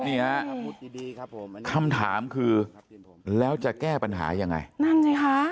นี่ฮะคำถามคือแล้วจะแก้ปัญหายังไงนั่นสิคะ